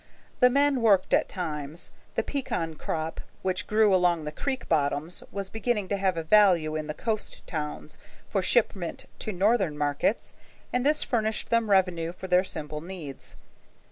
The men worked at times. The pecan crop which grew along the creek bottoms was beginning to have a value in the coast towns for shipment to northern markets, and this furnished them revenue for their simple needs.